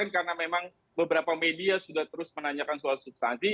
karena memang beberapa media sudah terus menanyakan soal substansi